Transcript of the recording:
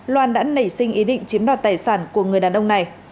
loan đã nảy sinh ý định chiếm đoạt tài sản của người đàn ông này